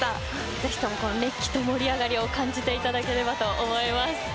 ぜひとも熱気と盛り上がりを感じていただければと思います。